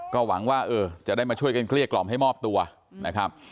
ก็หวังว่าเออจะได้มาช่วยกันเกลี้ยกล่อมให้มอบตัวนะครับ